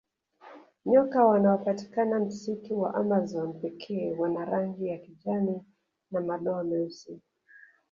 Nyoka wanaopatikana msitu wa amazon pekee wana rangi ya kijani na madoa meusi